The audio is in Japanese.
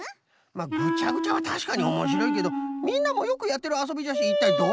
ぐちゃぐちゃはたしかにおもしろいけどみんなもよくやってるあそびじゃしいったいどこにビビッと。